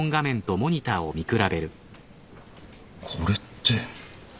これって。